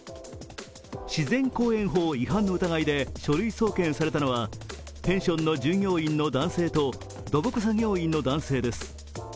自然公園法違反の疑いで書類送検されたのはペンションの従業員の男性と土木作業員の男性です。